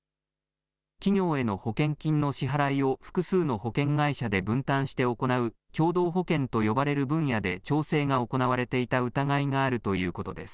企業への保険金の支払いを、複数の保険会社で分担して行う共同保険と呼ばれる分野で、調整が行われていた疑いがあるということです。